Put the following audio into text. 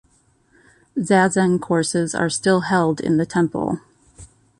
Zazen courses are still held in the temple.